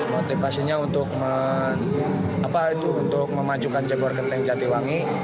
motivasinya untuk memajukan cekor genteng jatiwangi